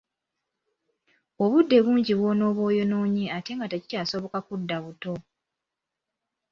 Obudde bungi bw'onooba oyonoonye ate nga tekikyabosoka kudda buto.